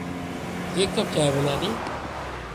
ایک کپ چائے بنادیں